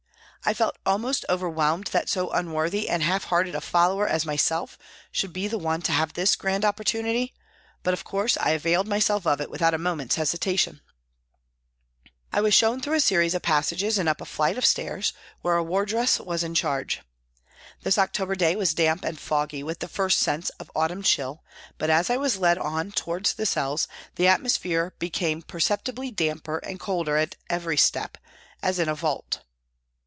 " I felt almost overwhelmed that so unworthy and half hearted a follower as myself should be the one to have this grand opportunity, but, of course, I availed myself of it without a moment's hesitation. MY CONVERSION 25 I was shown through a series of passages and up a flight of stairs, where a wardress was in charge. This October day was damp and foggy with the first sense of autumn chill, but as I was led on towards the cells the atmosphere became per ceptibly damper and colder at every step, as in a vault.